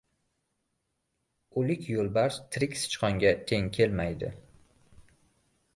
• O‘lik yo‘lbars tirik sichqonga teng kelmaydi.